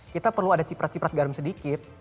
kita perlu ada ciprat ciprat garam sedikit